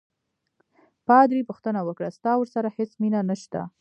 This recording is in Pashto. پادري پوښتنه وکړه: ستا ورسره هیڅ مینه نشته؟